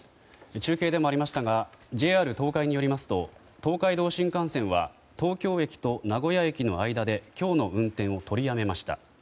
中継でもありましたがＪＲ東海によりますと東海道新幹線は東京駅と名古屋駅の間で今日の運転を取りやめました。